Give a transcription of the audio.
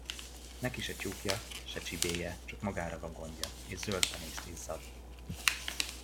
Neki se tyúkja, se csibéje, csak magára van gondja, és zöld penészt izzad.